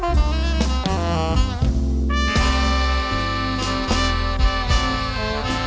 เมื่อเวลาเมื่อเวลา